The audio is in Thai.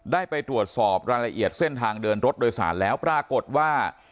ได้ไปตรวจสอบรายละเอียดเส้นทางเดินรถโดยสารแล้วปรากฏว่า